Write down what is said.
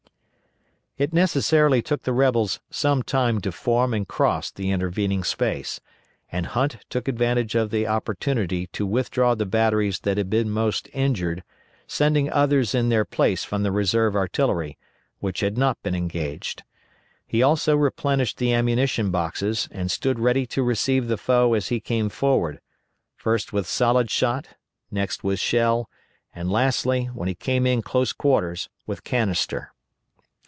It necessarily took the rebels some time to form and cross the intervening space, and Hunt took advantage of the opportunity to withdraw the batteries that had been most injured, sending others in their place from the reserve artillery, which had not been engaged. He also replenished the ammunition boxes, and stood ready to receive the foe as he came forward first with solid shot, next with shell, and lastly, when he came to close quarters, with canister.